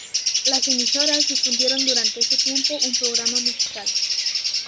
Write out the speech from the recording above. Las emisoras difundieron durante este tiempo un programa musical.